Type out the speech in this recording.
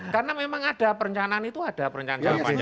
karena memang ada perencanaan itu ada perencanaan jangka panjang ini